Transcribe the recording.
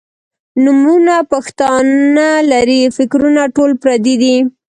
نومونه پښتانۀ لــري فکـــــــــــرونه ټول پردي دي